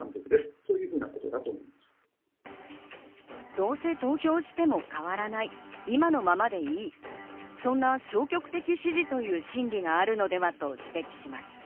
どうせ投票しても変わらない、今のままでいい、そんな消極的支持という心理があるのではと指摘します。